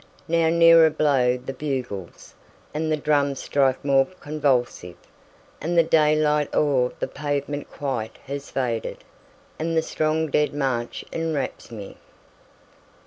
6Now nearer blow the bugles, And the drums strike more convulsive; And the day light o'er the pavement quite has faded, And the strong dead march enwraps me.